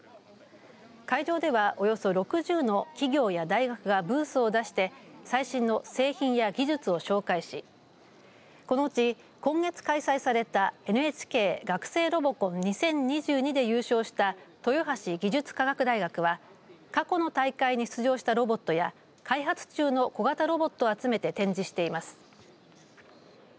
会場では、およそ６０の企業や大学がブースを出して最新の製品や技術を紹介しこのうち、今月開催されたＮＨＫ学生ロボコン２０２２で優勝した豊橋技術科学大学は過去の大会に出場したロボットや開発中の小型ロボットを集めて展示しています。